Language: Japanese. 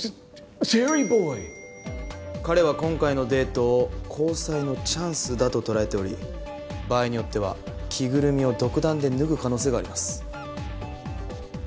ｃｈｅｒｒｙｂｏｙ．彼は今回のデートを交際のチャンスだと捉えており場合によっては着ぐるみを独断で脱ぐ可能性があります。